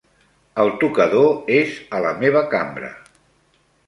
El tocador és a la meva cambra.